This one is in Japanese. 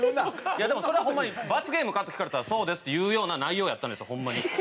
いやでもそれはホンマに「罰ゲームか？」って聞かれたら「そうです」って言うような内容やったんですよホンマに。